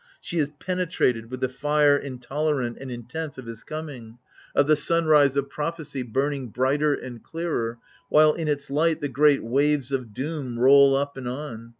She is penetrated with the "fire intolerant and intense" of his coming, of PREFACE xxvii the sunrise of prophecy burning brighter and clearer, while in its light the great waves of doom roll up and on.